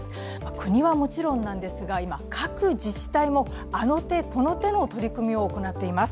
国はもちろんですが、今、各自治体もあの手この手の取り組みを行っています。